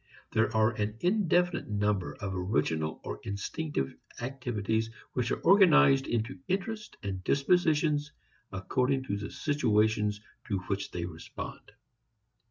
There are an indefinite number of original or instinctive activities, which are organized into interests and dispositions according to the situations to which they respond.